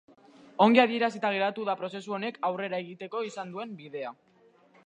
Ongi adierazita geratu da prozesu honek aurrera egiteko izan duen bidea.